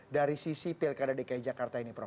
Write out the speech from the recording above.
dari sisi pilkada dki jakarta